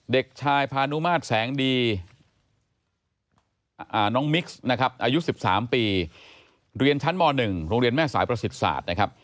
เด็กชายพานุมาตรแสงดีน้องมิกซ์นะครับอายุ๑๓ปีเรียนชั้นม๑โรงเรียนแม่สายประสิทธิ์ศาสตร์นะครับ